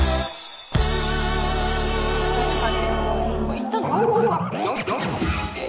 行ったの？